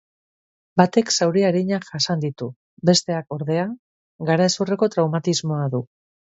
Batek zauri arinak jasan ditu, besteak, ordea, garezurreko traumatismoa du.